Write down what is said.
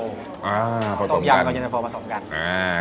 ต้มยำกับเย็นตะโฟผสมกัน